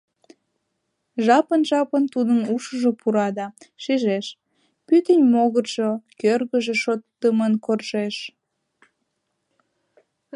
Жапын-жапын тудын ушыжо пура да шижеш: пӱтынь могыржо, кӧргыжӧ шотдымын коржеш.